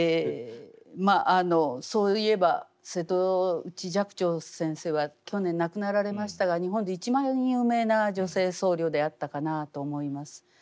そういえば瀬戸内寂聴先生は去年亡くなられましたが日本で一番有名な女性僧侶であったかなあと思います。